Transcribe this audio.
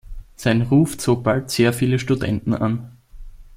Sein Ruf zog bald sehr viele Studenten an.